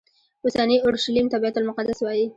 اوسني اورشلیم ته بیت المقدس وایي.